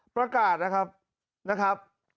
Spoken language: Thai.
ประกาศนะครับนะครับ